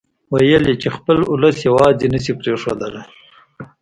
ويل يې چې خپل اولس يواځې نه شي پرېښودلای.